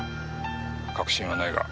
確信はないが。